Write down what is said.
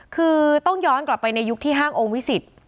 คือต้องย้อนกลับไปในยุคที่ห้างองค์วิสิต